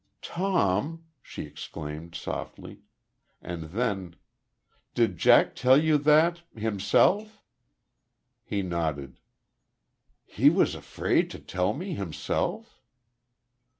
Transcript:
"Tom!" she exclaimed, softly.... And then, "Did Jack tell you that himself?" He nodded. "He was afraid to tell me himself?"